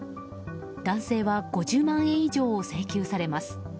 男性は５０万円以上を請求されます。